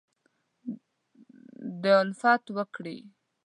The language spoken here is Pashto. دالفت وکړي